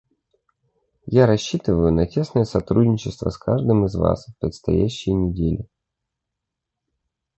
Я рассчитываю на тесное сотрудничество с каждым из вас в предстоящие недели.